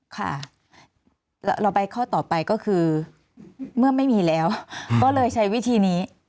ค่ะเราไปข้อต่อไปก็คือเมื่อไม่มีแล้วก็เลยใช้วิธีนี้